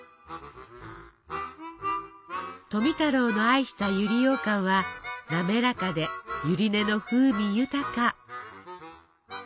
富太郎の愛した百合ようかんはなめらかでゆり根の風味豊か。